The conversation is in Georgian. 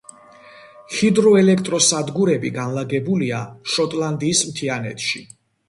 ჰიდროელექტროსადგურები განლაგებულია შოტლანდიის მთიანეთში.